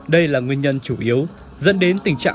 đây là nguyên nhân chủ yếu dẫn đến tình trạng